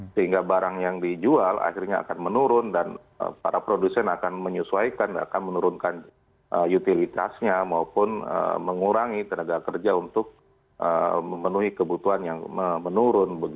sehingga barang yang dijual akhirnya akan menurun dan para produsen akan menyesuaikan akan menurunkan utilitasnya maupun mengurangi tenaga kerja untuk memenuhi kebutuhan yang menurun